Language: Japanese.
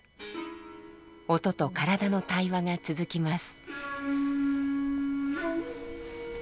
音と体の対話が続きます。